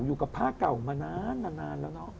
อยู่กับผ้าเก่ามานานมานานแล้วเนอะ